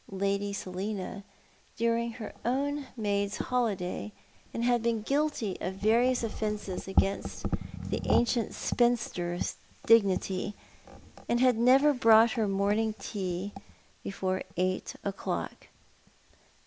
Lady Selina, during her own maid's holiday, and had been guilty of various offences against the ancient spinster's dignity, and had never brought her morning tea before eight o'clock.